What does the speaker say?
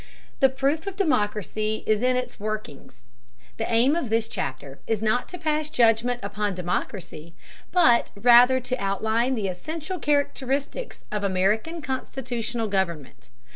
The proof of democracy is in its workings. The aim of this chapter is not to pass judgment upon democracy, but rather to outline the essential characteristics of American constitutional government.